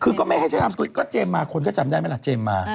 คือก็ไม่ให้ฉันทำก็เจมส์มาคนก็จำได้ไหมล่ะเจมส์มา